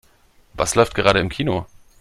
Was läuft gerade im Kino?